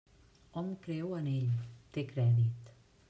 Hom creu en ell; té crèdit.